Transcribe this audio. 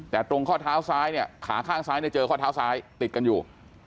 แต่ตรงข้อเท้าซ้ายเนี่ยขาข้างซ้ายเนี่ยเจอข้อเท้าซ้ายติดกันอยู่